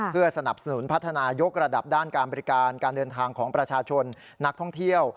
เพื่อสนับสนุนพัฒนายกระดับด้านการบริการการเดินทางของประชาชนนักท่องเที่ยว